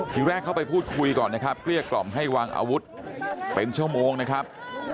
ทีแรกเข้าไปพูดคุยก่อนนะครับเกลี้ยกล่อมให้วางอาวุธเป็นชั่วโมงนะครับ